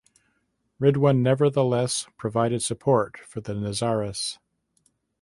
Ridwan nevertheless provided support for the Nizaris.